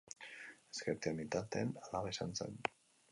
Ezkertiar militanteen alaba izan zen.